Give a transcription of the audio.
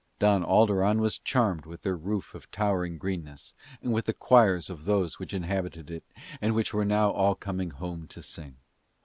Don Alderon was charmed with their roof of towering greenness, and with the choirs of those which inhabited it and which were now all coming home to sing.